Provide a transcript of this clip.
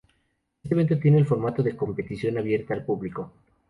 Este evento tiene el formato de competición, abierta al público.